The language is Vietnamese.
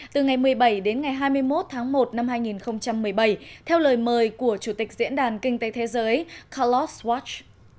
từ ngày một mươi bảy đến ngày hai mươi một tháng một năm hai nghìn một mươi bảy theo lời mời của chủ tịch diễn đàn kinh tế thế giới kallows watch